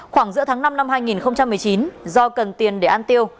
khoảng giữa tháng năm năm hai nghìn một mươi chín do cần tiền để ăn tiêu